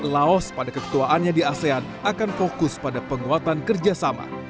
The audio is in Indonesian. laos pada keketuaannya di asean akan fokus pada penguatan kerjasama